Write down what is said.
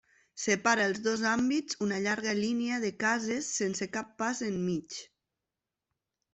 Separa els dos àmbits una llarga línia de cases sense cap pas enmig.